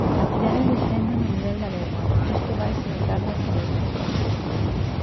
A cidade descende no nivel de alerta, isto vaise notar na hostalería.